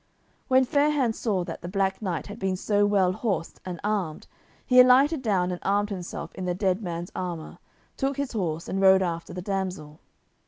When Fair hands saw that the Black Knight had been so well horsed and armed, he alighted down and armed himself in the dead man's armour, took his horse, and rode after the damsel.